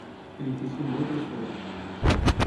Edifici molt restaurat.